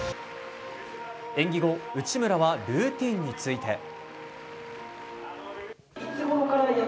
演技後、内村はルーティンについて。